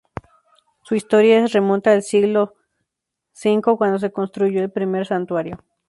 Su historia se remonta al siglo V cuando se construyó el primer santuario.